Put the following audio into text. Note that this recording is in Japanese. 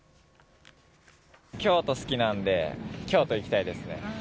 京都好きなんで、京都行きたいですね。